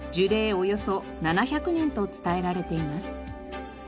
およそ７００年と伝えられています。